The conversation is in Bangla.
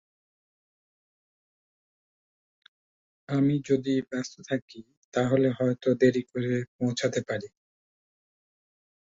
আমি যদি ব্যস্ত থাকি তাহলে হয়ত দেরি করে পৌছাতে পারি।